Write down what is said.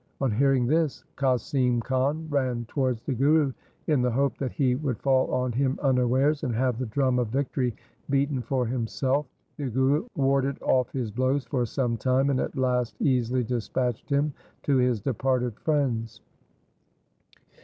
On hearing this, Qasim Khan ran towards the Guru in the hope that he would fall on him unawares and have the drum of victory beaten for himself. The Guru warded off his blows for some time, and at last easily dispatched him to his departed friends.